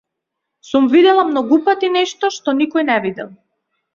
Сум видела многу пати нешто што никој не видел.